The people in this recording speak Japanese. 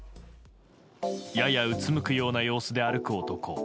ややうつむくような様子で歩く男。